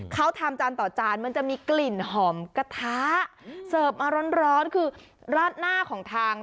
เขาทำจานต่อจานมันจะมีกลิ่นหอมกระทะเสิร์ฟมาร้อนคือราดหน้าของทาง